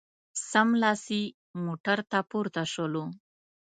سملاسي موټرانو ته پورته شولو.